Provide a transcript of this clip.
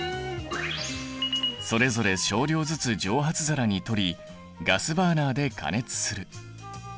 それぞれ少量ずつ蒸発皿にとりガスバーナーで加熱する。